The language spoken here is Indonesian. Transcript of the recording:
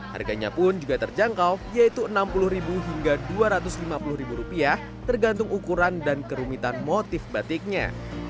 harganya pun juga terjangkau yaitu rp enam puluh hingga rp dua ratus lima puluh tergantung ukuran dan kerumitan motif batiknya